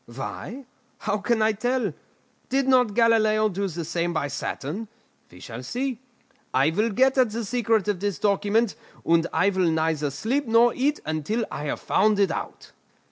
Why? How can I tell? Did not Galileo do the same by Saturn? We shall see. I will get at the secret of this document, and I will neither sleep nor eat until I have found it out."